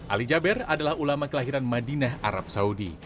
ali jaber adalah ulama kelahiran madinah arab saudi